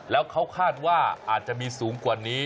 แล้วเขาคาดว่าอาจจะมีสูงกว่านี้